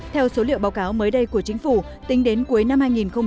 theo số liệu báo cáo mới đây của chính phủ tính đến cuối năm hai nghìn một mươi chín